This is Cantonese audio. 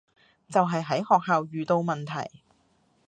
就係喺學校遇到問題